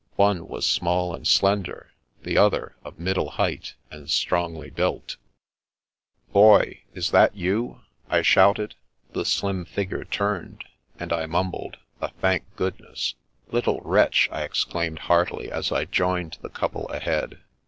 One was small and slender, the other of middle height and strongly built < 194 The Princess Passes " Boy, is that you ?" I shouted. The slim figure turned, and I mumbled a " Thank goodness !"" Little wretch !" I exclaimed heartily, as I joined the couple ahead.